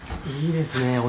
いいですね。